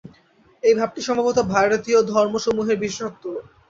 এই ভাবটি সম্ভবত ভারতীয় ধর্মসমূহের বিশেষত্ব।